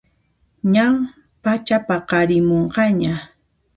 Ñan pachapaqarimunqaña